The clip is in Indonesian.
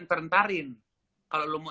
ntar ntarin kalau lo mau